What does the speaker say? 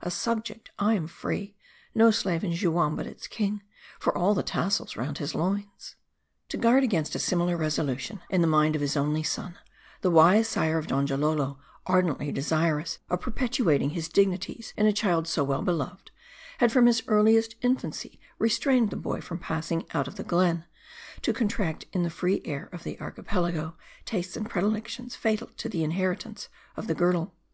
A subject, I am free. No slave in Juam but its king ; for all the tassels round his loins." To guard against a similar resolution in the mind of his only son, the wise sire of Donjalolo, ardently desirous of perpetuating his dignities in a child so well beloved, had from his earliest infancy, restrained the boy from passing out of the glen, to contract in the free air of the Archipelago, M A R D I. 259 tastes and predilections fatal to the inheritance of the girdle.